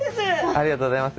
ありがとうございます。